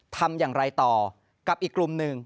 ทำอย่างไรต่อกับอีกกลุ่มหนึ่ง